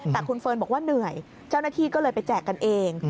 แต่คุณเฟิร์นบอกว่าเหนื่อยเจ้าหน้าที่ก็เลยไปแจกกันเอง